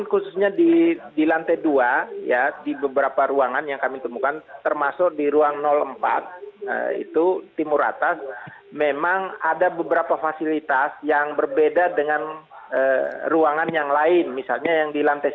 khususnya di lantai dua di beberapa ruangan yang kami temukan termasuk di ruang empat itu timur atas memang ada beberapa fasilitas yang berbeda dengan ruangan yang lain misalnya yang di lantai satu